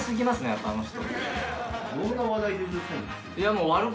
やっぱあの人。